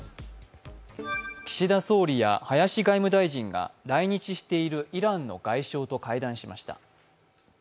岸田総理や林外務大臣が来日しているイランの外相と会談しました。